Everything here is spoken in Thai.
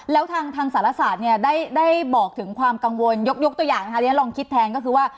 แล้วทางศาลศาสตร์ได้บอกถึงความกังวลยกตัวอย่างอันนี้ลองคิดแทนก็คือว่า